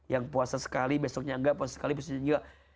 yang puasa sekali besoknya enggak puasa sekali besoknya enggak